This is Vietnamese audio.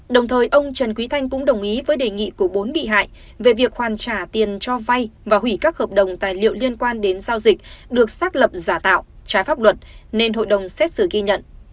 đồng thời ông trần quý thanh cũng đồng ý với đề nghị của bốn bị hại về việc hoàn trả tiền cho vay và hủy các hợp đồng tài liệu liên quan đến giao dịch được xác lập giả tạo trái pháp luật nên hội đồng xét xử ghi nhận